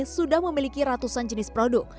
sudah memiliki ratusan jenis produk